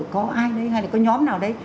có ai đấy hay là có nhóm nào đấy